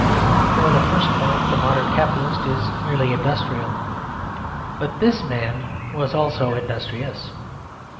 For the first point, the modern capitalist is merely industrial; but this man was also industrious.